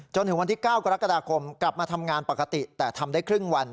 จนถึงวันที่๙กรกฎาคมกลับมาทำงานปกติแต่ทำได้ครึ่งวัน